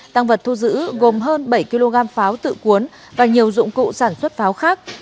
tăng vật thu giữ gồm hơn bảy kg pháo tự cuốn và nhiều dụng cụ sản xuất pháo khác